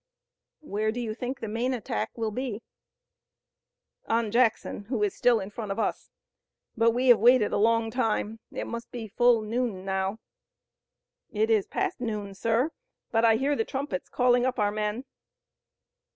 "Where do you think the main attack will be?" "On Jackson, who is still in front of us. But we have waited a long time. It must be full noon now." "It is past noon, sir, but I hear the trumpets, calling up our men."